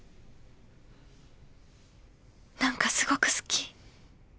［何かすごく好き］